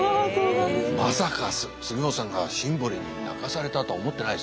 まさか杉本さんがシンボリに泣かされたとは思ってないですよ。